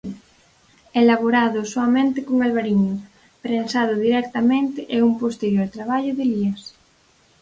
Elaborado soamente con Albariño, prensado directamente e un posterior traballo de lías.